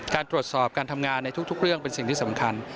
การตรวจสอบการทำงานในทุกเรื่องเป็นสิ่งที่สำคัญ